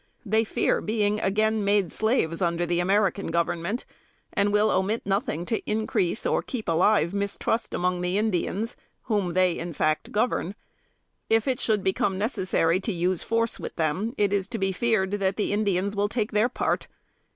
They fear being again made slaves, under the American Government, and will omit nothing to increase or keep alive mistrust among the Indians, whom they, in fact, govern. If it should become necessary to use force with them, it is to be feared that the Indians will take their part.